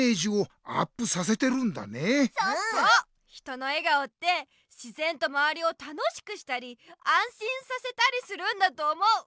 人の笑顔ってしぜんとまわりを楽しくしたりあんしんさせたりするんだと思う。